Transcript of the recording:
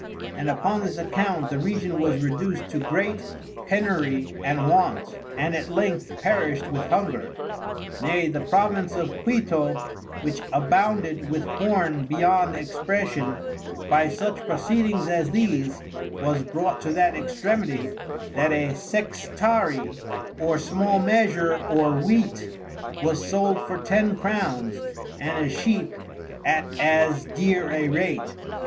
And upon this Account the Region was reduced to great penury and want, and at length perished with Hunger. Nay the Province of Quito, which abounded with Corn beyond Expression, by such proceedings as these, was brought to that Extremity that a Sextarie or small Measure or Wheat was sold for Ten Crowns, and a Sheep at as dear a rate.